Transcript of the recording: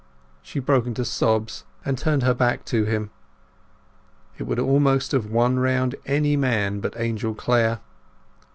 She broke into sobs, and turned her back to him. It would almost have won round any man but Angel Clare.